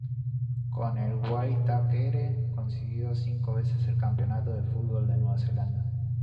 Con el Waitakere consiguió cinco veces el Campeonato de Fútbol de Nueva Zelanda.